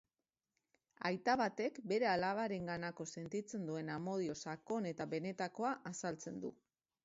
Aita batek bere alabarenganako sentitzen duen amodio sakon eta benetakoa azaltzen du.